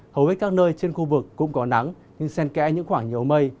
hầu hết các nơi trên khu vực cũng có nắng nhưng sen kẽ những khoảng nhiều mây